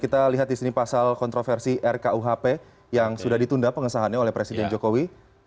kita lihat di sini pasal kontroversi rkuhp yang sudah ditunda pengesahannya oleh presiden jokowi